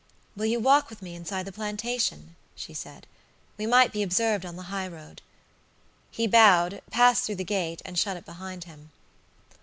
"Will you walk with me inside the plantation?" she said. "We might be observed on the high road." He bowed, passed through the gate, and shut it behind him.